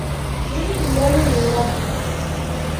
முன் இரவு நேரம்.